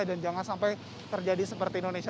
dan jangan sampai terjadi seperti indonesia